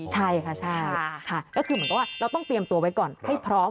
ใช่ค่ะใช่ค่ะก็คือเหมือนกับว่าเราต้องเตรียมตัวไว้ก่อนให้พร้อม